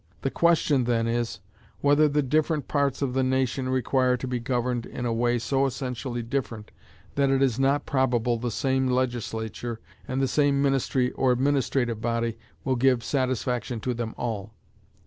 The question then is, whether the different parts of the nation require to be governed in a way so essentially different that it is not probable the same Legislature, and the same ministry or administrative body, will give satisfaction to them all.